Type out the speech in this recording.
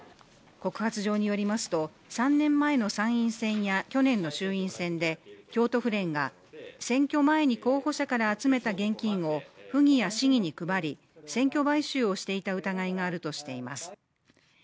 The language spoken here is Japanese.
告発状によりますと、３年前の参院選や去年の衆院選で京都府連が選挙前に候補者から集めた現金を府議や市議に配り、選挙買収をしていた疑いがあるとしています。